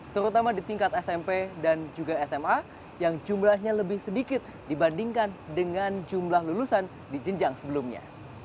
terutama di tingkat smp dan juga sma yang jumlahnya lebih sedikit dibandingkan dengan jumlah lulusan di jenjang sebelumnya